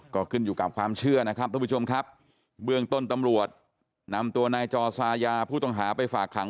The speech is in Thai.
ก็ขึ้นอยู่กับความเชื่อนะครับทุกผู้ชมครับเบื้องต้นตำรวจนำตัวนายจอซายาผู้ต้องหาไปฝากขัง